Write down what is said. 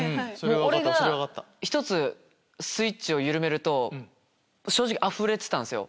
俺が１つスイッチを緩めると正直あふれてたんすよ。